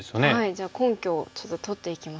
じゃあ根拠をちょっと取っていきますか。